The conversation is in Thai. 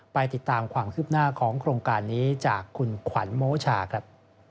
ไปติดตามความคืบหน้าของโครงการนี้จากคุณขวัญโมชาครับ